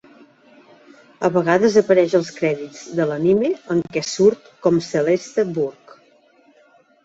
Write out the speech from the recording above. A vegades apareix als crèdits de l'anime en què surt com Celeste Burch.